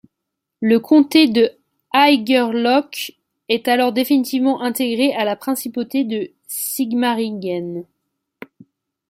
Le comté de Haigerloch est alors définitivement intégré à la principauté de Sigmaringen.